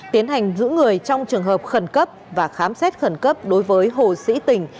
tiến hành giữ người trong trường hợp khẩn cấp và khám xét khẩn cấp đối với hồ sĩ tình